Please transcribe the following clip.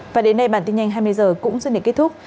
và đến đây bản tin nhanh hai mươi h cũng xin để kết thúc